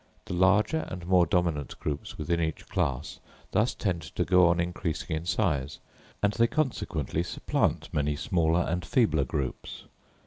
The larger and more dominant groups within each class thus tend to go on increasing in size, and they consequently supplant many smaller and feebler groups.